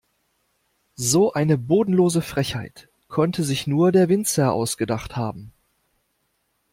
So eine bodenlose Frechheit konnte sich nur der Winzer ausgedacht haben.